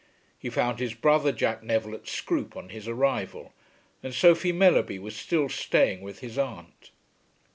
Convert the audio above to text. He found his brother Jack Neville at Scroope on his arrival, and Sophie Mellerby was still staying with his aunt.